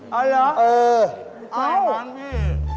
อ๋อเหรอเอออ้าวไม่ใช่มันพี่